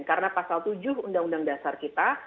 karena pasal tujuh undang undang dasar kita